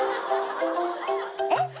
えっ？